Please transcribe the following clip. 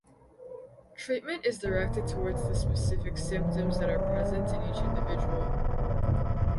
Treatment is directed towards the specific symptoms that are present in each individual.